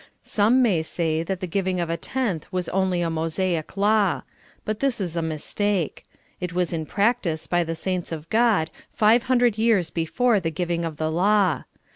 Some may say that the giving of a tenth was only a Mosaic law ; but this is a mistake ; it was in practice by the saints of God five hundred 3'ears before the giv ing of the law.